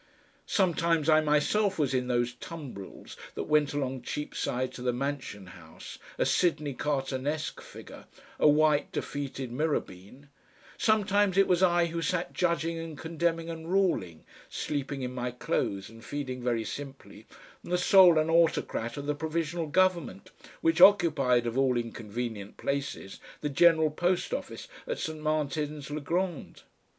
Sometimes I myself was in those tumbrils that went along Cheapside to the Mansion House, a Sydney Cartonesque figure, a white defeated Mirabean; sometimes it was I who sat judging and condemning and ruling (sleeping in my clothes and feeding very simply) the soul and autocrat of the Provisional Government, which occupied, of all inconvenient places! the General Post Office at St. Martin's le Grand!...